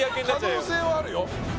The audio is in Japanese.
可能性はあるよ